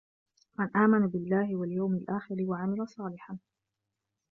مَنْ آمَنَ بِاللَّهِ وَالْيَوْمِ الْآخِرِ وَعَمِلَ صَالِحًا